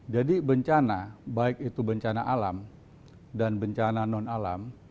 jadi bencana baik itu bencana alam dan bencana non alam